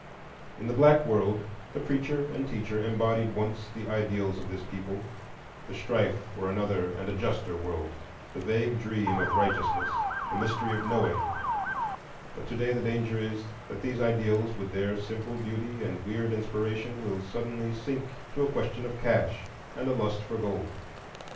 In the Black World, the Preacher and Teacher embodied once the ideals of this people—the strife for another and a juster world, the vague dream of righteousness, the mystery of knowing; but to day the danger is that these ideals, with their simple beauty and weird inspiration, will suddenly sink to a question of cash and a lust for gold.